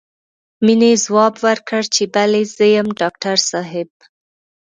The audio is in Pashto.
مينې ځواب ورکړ چې بلې زه يم ډاکټر صاحب.